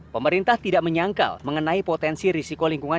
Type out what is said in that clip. pemerintah tidak menyangkal mengenai potensi risiko lingkungan